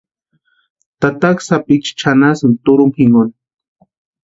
Tataka sápiicha chʼanasïnti turhumpu jinkoni.